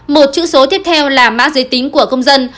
một chữ số tiếp theo là mã giới tính của công dân